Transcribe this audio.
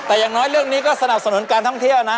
แต่อย่างน้อยเรื่องนี้ก็สนับสนุนการท่องเที่ยวนะ